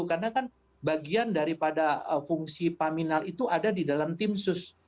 karena kan bagian daripada fungsi paminal itu ada di dalam tim sus